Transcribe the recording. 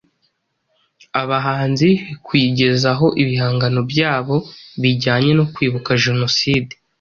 abahanzi kuyigezaho ibihangano byabo bijyanye no kwibuka jenoside